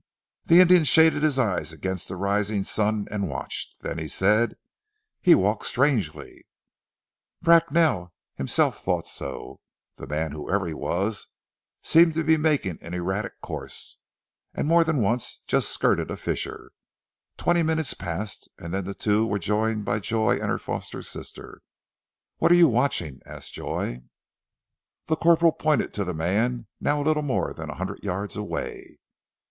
The Indian shaded his eyes against the rising sun and watched, then he said, "He walks strangely." Bracknell himself thought so. The man, whoever he was, seemed to be making an erratic course, and more than once just skirted a fissure. Twenty minutes passed and then the two were joined by Joy and her foster sister. "What are you watching?" asked Joy. The corporal pointed to the man, now little more than a hundred yards away.